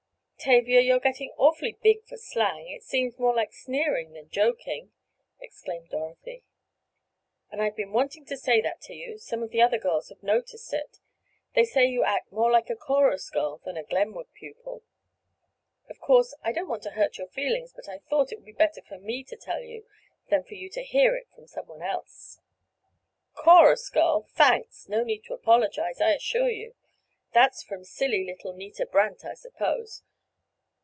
"Tavia, you are getting awfully big for slang—it seems more like sneering than joking," exclaimed Dorothy. "And I've been wanting to say that to you—some of the other girls have noticed it. They say you act more like a chorus girl than a Glenwood pupil. Of course I don't want to hurt your feelings, but I thought it would be better for me to tell you than for you to hear it from some one else." "Chorus girl! Thanks! No need to apologize, I assure you. That's from silly, little Nita Brandt, I suppose?